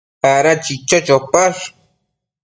Ada chicho chopash ?